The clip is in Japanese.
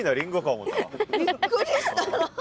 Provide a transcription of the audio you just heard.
びっくりしたな。